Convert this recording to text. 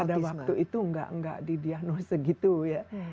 pada waktu itu tidak didiagnose begitu ya